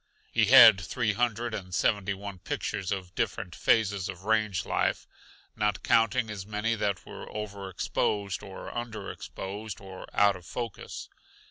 He had three hundred and seventy one pictures of different phases of range life, not counting as many that were over exposed or under exposed or out of focus.